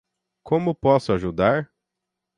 Como posso ajudar?